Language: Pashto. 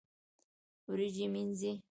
وريجي مينځي